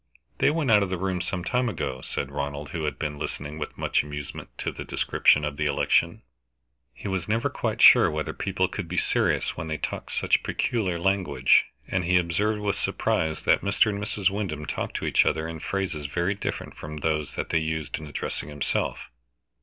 "They went out of the room some time ago," said Ronald, who had been listening with much amusement to the description of the election. He was never quite sure whether people could be serious when they talked such peculiar language, and he observed with surprise that Mr. and Mrs. Wyndham talked to each other in phrases very different from those they used in addressing himself.